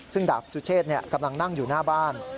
ซึ่งดาบสุเชษกำลังนั่งอยู่หน้าบ้าน